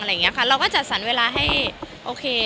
เราก็จัดสรรเวลาให้โอเค